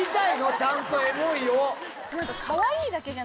ちゃんとエモいを。